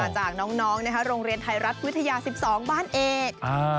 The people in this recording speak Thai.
จากน้องโรงเรียนไทยรัฐวิทยา๑๒บ้านเอก